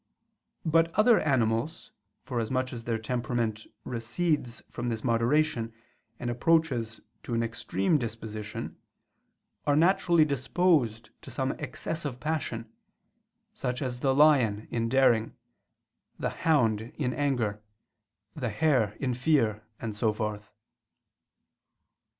But other animals, for as much as their temperament recedes from this moderation and approaches to an extreme disposition, are naturally disposed to some excess of passion, such as the lion in daring, the hound in anger, the hare in fear, and so forth.